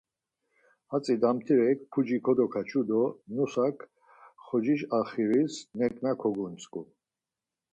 Hatzi damtirek puci kodokaçu do nusak xociş axiriş neǩna kogontzǩu.